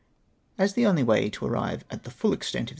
As the only way to arrive at the fidl extent of the VOL.